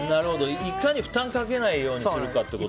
いかに負担をかけないようにするかってことだ。